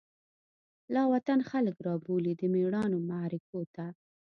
لاوطن خلک رابولی، دمیړانومعرکوته